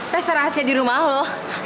restoran rahasia di rumah lo